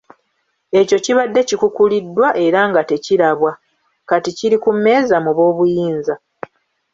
Ekyo kibadde kikukuliddwa era nga tekirabwa, kati kiri ku mmeeza mu b’obuyinza.